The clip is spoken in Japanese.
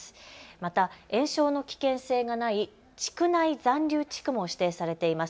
また延焼の危険性がない地区内残留地区も指定されています。